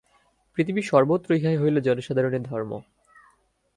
পৃথিবীর সর্বত্র ইহাই হইল জনসাধারণের ধর্ম।